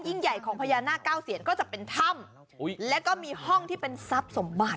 ใหญ่ของพญานาคเก้าเซียนก็จะเป็นถ้ำแล้วก็มีห้องที่เป็นทรัพย์สมบัติ